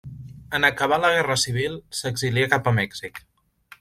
En acabar la guerra civil s'exilià cap a Mèxic.